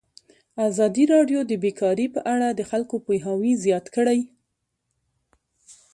ازادي راډیو د بیکاري په اړه د خلکو پوهاوی زیات کړی.